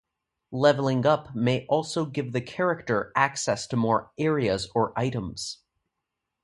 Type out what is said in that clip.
Leveling up may also give the character access to more areas or items.